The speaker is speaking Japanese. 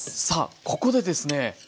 さあここでですね